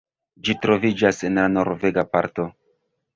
Ĝi troviĝas en la norvega parto.